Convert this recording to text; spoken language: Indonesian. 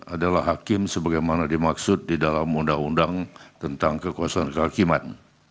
adalah hakim sebagaimana dimaksud di dalam undang undang tentang kekuasaan kehakiman